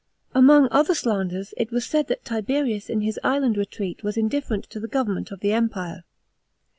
§ 22. Among other slanders, it was said that Tiberius in his island retreat was indifferent to the government of the Empire.